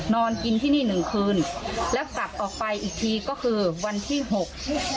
นอนกินที่นี่หนึ่งคืนแล้วกลับออกไปอีกทีก็คือวันที่หก